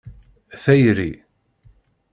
Tayri.